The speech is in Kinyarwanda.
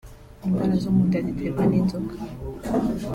indwara zo mu nda ziterwa n’inzoka